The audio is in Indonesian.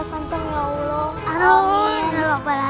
santan ya allah